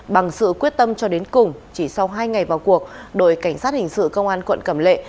bằng sự quyết tâm cho đến cùng chỉ sau hai ngày vào cuộc đội cảnh sát hình sự công an quận cẩm lệ